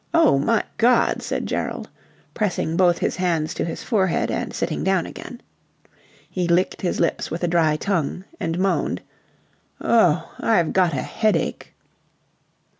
"Oh, my God!" said Gerald, pressing both his hands to his forehead and sitting down again. He licked his lips with a dry tongue and moaned. "Oh, I've got a headache!"